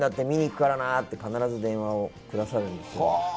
見に行くからなって、必ず電話をくださるんですよ。